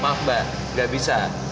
maaf mbak gak bisa